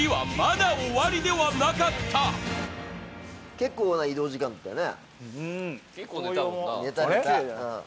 結構な移動時間だったよね。